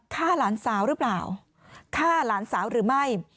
ฆ่าหลานสาวหรือเปล่าฆ่าหลานสาวหรือไม่